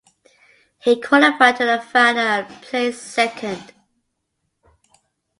He qualified to the final and placed second.